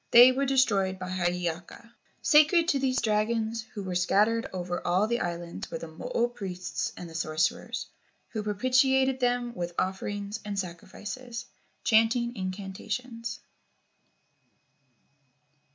They were destroyed by Hiiaka. Sacred to these dragons who were scattered over all the islands were the mo o priests and the sorcerers, who propi¬ tiated them with offerings and sacrifices, chanting incanta¬ tions.